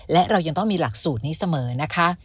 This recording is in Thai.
และเรายังต้องมีหลักสูตรนี้เสมอนะคะ